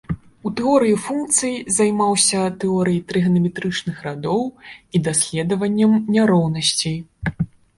У тэорыі функцый займаўся тэорыяй трыганаметрычных радоў і даследаваннем няроўнасцей.